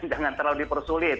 jangan terlalu dipersulit